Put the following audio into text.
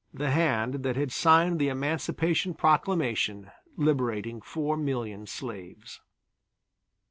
The hand that had signed the Emancipation Proclamation liberating 4,000,000 slaves.